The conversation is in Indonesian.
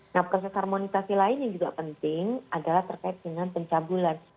nah proses harmonisasi lain yang juga penting adalah terkait dengan pencabulan